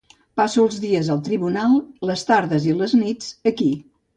Passo els dies al tribunal, les tardes i les nits aquí.